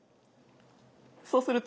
そうすると。